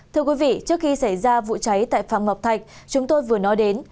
thưa quý vị trước khi xảy ra vụ cháy tại phạm ngọc thạch chúng tôi vừa nói đến